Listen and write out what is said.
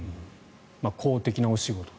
公的なお仕事。